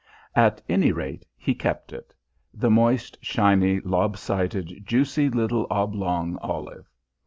At any rate, he kept it the moist, shiny, lob sided, juicy little oblong olive.